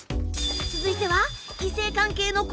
続いては。